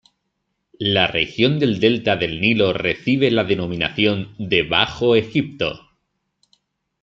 La región del delta del Nilo recibe la denominación de Bajo Egipto.